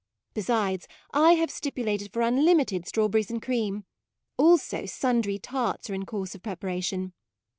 Besides, I have stipulated for unlimited straw berries and cream; also, sundry tarts are in course of preparation.